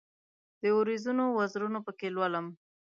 د اوریځو وزرونه پکښې لولم